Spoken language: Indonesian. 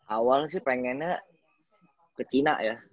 awal sih pengennya ke cina ya